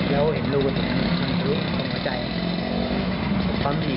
เห็นรูปแฉงลงดูก็ไม่จับหัวใจ